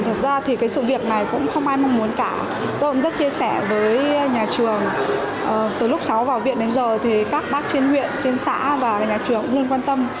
thật ra thì cái sự việc này cũng không ai mong muốn cả tôi cũng rất chia sẻ với nhà trường từ lúc cháu vào viện đến giờ thì các bác trên huyện trên xã và nhà trường cũng luôn quan tâm